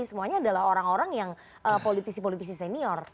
semuanya adalah orang orang yang politisi politisi senior